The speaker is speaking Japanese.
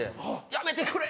「やめてくれ！」